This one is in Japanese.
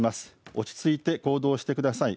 落ち着いて行動してください。